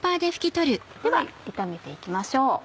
では炒めて行きましょう。